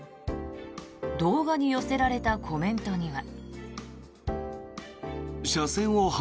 動画に寄せられたコメントには。